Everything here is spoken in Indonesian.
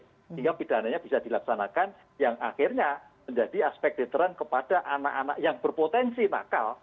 sehingga pidananya bisa dilaksanakan yang akhirnya menjadi aspek deteran kepada anak anak yang berpotensi nakal